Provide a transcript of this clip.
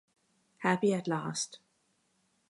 Happy at Last.